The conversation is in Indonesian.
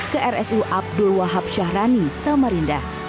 ke rsu abdul wahab syahrani samarinda